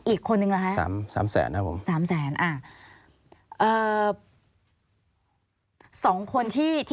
อีกคนหนึ่งเหรอครับ